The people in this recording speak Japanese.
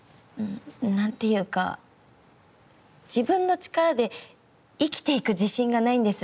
何て言うか自分の力で生きていく自信がないんです。